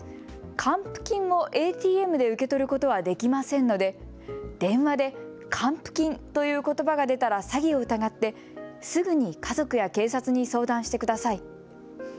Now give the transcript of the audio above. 還付金をＡＴＭで受け取ることはできませんので電話で還付金ということばが出たら詐欺を疑ってすぐに家族や警察に相談してください。